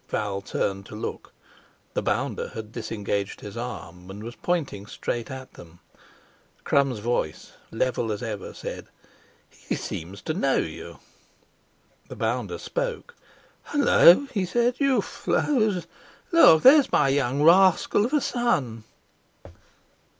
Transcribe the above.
Val turned to look. The "bounder" had disengaged his arm, and was pointing straight at them. Crum's voice, level as ever, said: "He seems to know you!" The "bounder" spoke: "H'llo!" he said. "You f'llows, look! There's my young rascal of a son!"